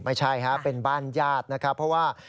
ไม่ใช่ครับเป็นบ้านญาตินะครับเพราะว่า